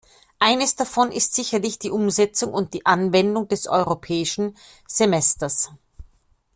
Eines davon ist sicherlich die Umsetzung und die Anwendung des Europäischen Semesters.